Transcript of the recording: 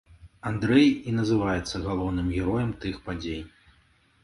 Андрэй і называецца галоўным героем тых падзей.